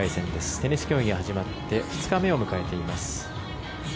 テニス競技が始まって２日目を迎えています。